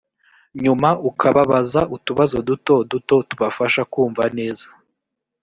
nyuma ukababaza utubazo duto duto tubafasha kumva neza